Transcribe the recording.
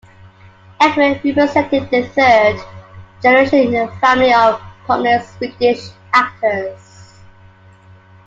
Ekman represented the third generation in a family of prominent Swedish actors.